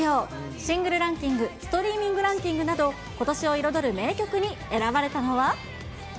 シングルランキング、ストリーミングランキングなど、ことしを彩る名曲に選ばれたのは？